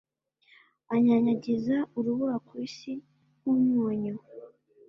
Anyanyagiza urubura ku isi nk’umunyu,